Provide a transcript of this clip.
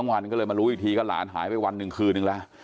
หายไปทั้งวันก็เลยมารู้อีกทีก็หายไปวันหนึ่งคืนนึงแล้ว